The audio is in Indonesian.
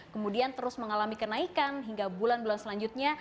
kemudian terus mengalami kenaikan hingga bulan bulan selanjutnya